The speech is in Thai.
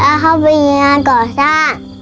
เมื่อเขาไปงานก่อสร้าง